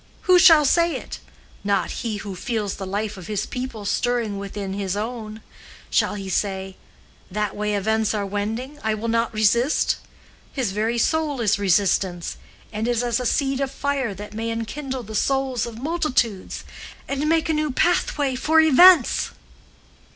Who shall say it? Not he who feels the life of his people stirring within his own. Shall he say, 'That way events are wending, I will not resist?' His very soul is resistance, and is as a seed of fire that may enkindle the souls of multitudes, and make a new pathway for events."